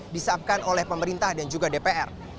disiapkan oleh pemerintah dan juga dpr